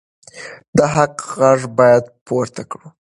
د حق غږ باید پورته کړو.